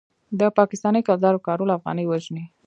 د پاکستانۍ کلدارو کارول افغانۍ وژني.